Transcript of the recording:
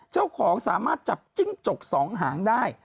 เจ้าของสามารถจับจิ้งจกสองหางได้